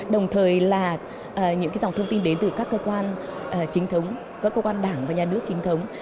đồng thời là những dòng thông tin đến từ các cơ quan chính thống các cơ quan đảng và nhà nước chính thống